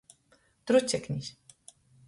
Truceknis.